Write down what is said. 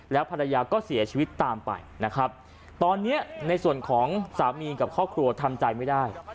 แล้วภรรยาก็เสียชีวิตตามไปนะครับตอนนี้ในส่วนของสามีกับครอบครัวทำใจไม่ได้